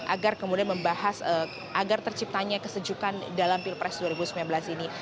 agar kemudian membahas agar terciptanya kesejukan dalam pilpres dua ribu sembilan belas ini